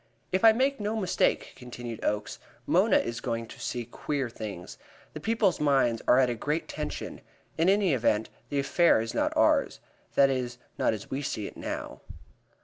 "If I make no mistake," continued Oakes, "Mona is going to see queer doings. The people's minds are at a great tension. In any event, this affair is not ours. That is not as we see it now."